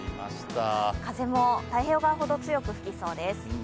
風も太平洋側ほど強く吹きそうです。